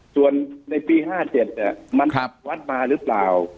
ส่วนในปีห้าเจ็ดเนี้ยครับมันประวัตรมารึเปล่า